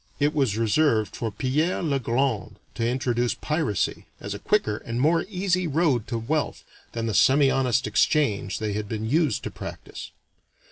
It was reserved for Pierre le Grand to introduce piracy as a quicker and more easy road to wealth than the semihonest exchange they had been used to practice.